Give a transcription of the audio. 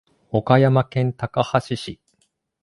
岡山県高梁市